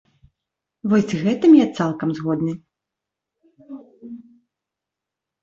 Вось з гэтым я цалкам згодны.